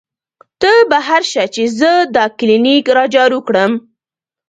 تۀ بهر شه چې زۀ دا کلینک را جارو کړم " ـ